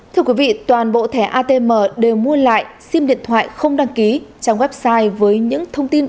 thưa quý vị toàn bộ thẻ atm đều mua lại sim điện thoại không đăng ký trong website với những thông tin